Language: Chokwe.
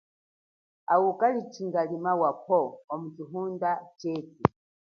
Awu kali changalima cha phowo wamu chihunda chethu.